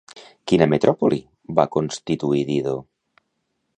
Quina metròpoli va constituir Dido?